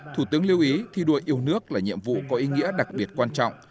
thủ tướng lưu ý thi đua yêu nước là nhiệm vụ có ý nghĩa đặc biệt quan trọng